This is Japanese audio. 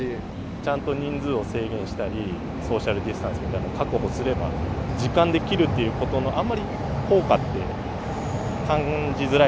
ちゃんと人数を制限したり、ソーシャルディスタンスを確保すれば、時間で切るっていうことのあんまり効果って感じづらい。